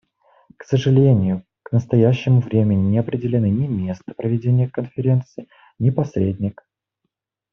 К сожалению, к настоящему времени не определены ни место проведения Конференции, ни посредник.